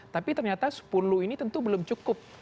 tapi ternyata sepuluh ini tentu belum cukup